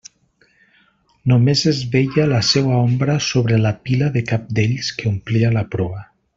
Només es veia la seua ombra sobre la pila de cabdells que omplia la proa.